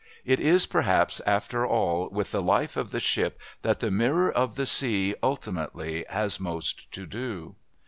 It is, perhaps, after all, with the life of the ship that The Mirror of the Sea, ultimately, has most to do.